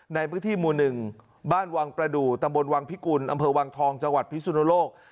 ในพื้นที่หมู่๑บ้านวังประดูกตำบลวังพิกุลอำเภอวังทองจังหวัดพิสุนโลก